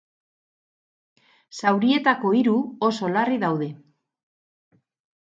Zaurituetako hiru oso larri daude.